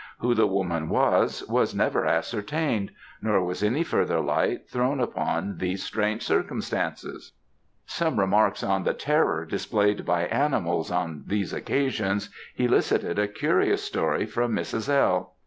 Who the woman was, was never ascertained; nor was any further light thrown upon these strange circumstances." Some remarks on the terror displayed by animals, on these occasions, elicited a curious story from Mrs. L.